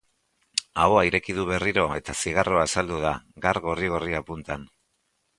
Ahoa ireki du berriro eta zigarroa azaldu da, gar gorri-gorria puntan.